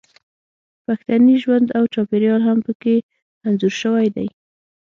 پښتني ژوند او چاپیریال هم پکې انځور شوی دی